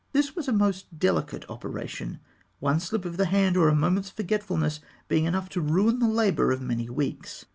This was a most delicate operation, one slip of the hand, or a moment's forgetfulness, being enough to ruin the labour of many weeks.